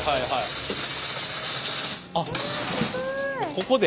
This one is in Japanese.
ここで？